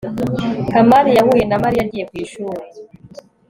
kamari yahuye na mariya agiye ku ishuri